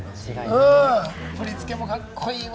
振り付けもカッコいいわ！